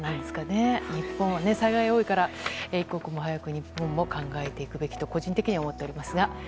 日本は災害が多いから一刻も早く日本も考えていくべきだと個人的には思っています。